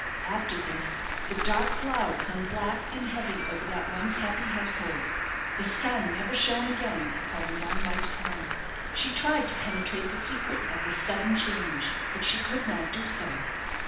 After this, the dark cloud hung black and heavy over that once happy household; the sun never shone again upon the young wife's home. She tried to penetrate the secret of this sudden change, but she could not do so.